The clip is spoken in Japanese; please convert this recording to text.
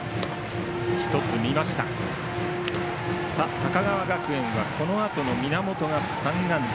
高川学園はこのあとの源が３安打。